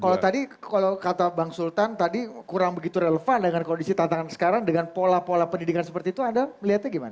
jadi tadi kalau kata bang sultan tadi kurang begitu relevan dengan kondisi tantangan sekarang dengan pola pola pendidikan seperti itu anda melihatnya gimana